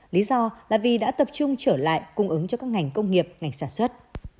lý do là vì đã tập trung trở lại cung ứng cho các ngành công nghiệp ngành sản xuất